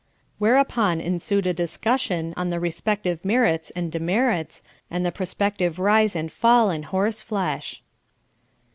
Whereupon ensued a discussion on the respective merits and demerits, and the prospective rise and fall in horse flesh.